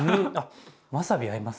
わさび合いますね。